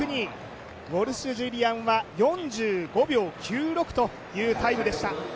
ウォルシュ・ジュリアンは４５秒９６というタイムでした。